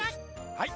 はい！